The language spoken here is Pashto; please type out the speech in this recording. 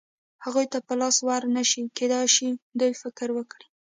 هغوی ته په لاس ور نه شي، کېدای شي دوی فکر وکړي.